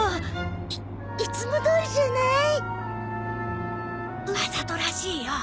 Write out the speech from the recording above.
いいつもどおりじゃない？わざとらしいよ。